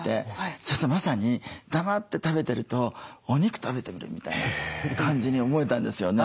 そしたらまさに黙って食べてるとお肉食べてるみたいな感じに思えたんですよね。